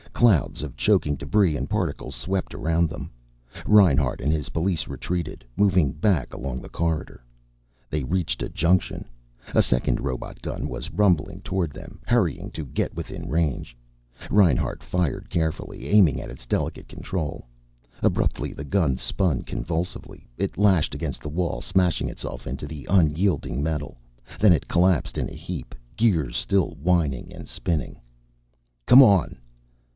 Clouds of choking debris and particles swept around them. Reinhart and his police retreated, moving back along the corridor. They reached a junction. A second robot gun was rumbling toward them, hurrying to get within range. Reinhart fired carefully, aiming at its delicate control. Abruptly the gun spun convulsively. It lashed against the wall, smashing itself into the unyielding metal. Then it collapsed in a heap, gears still whining and spinning. "Come on."